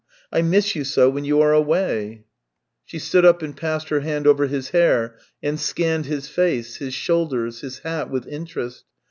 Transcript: I miss you so when you are away !" She stood up and passed her hand over his hair, and scanned his face, his shoulders, his hat, with interest.